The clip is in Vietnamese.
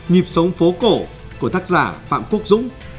giao thông phố cổ của tác giả phạm quốc dũng